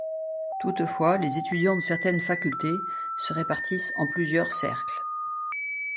Toutefois, les étudiants de certaines facultés se répartissent en plusieurs cercles.